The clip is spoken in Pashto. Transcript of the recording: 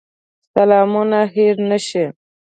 سلامونه هېر نه شي.